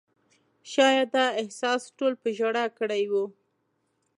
شاید دا احساس ټول په ژړا کړي وو.